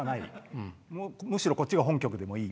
むしろこっちが本局でいい？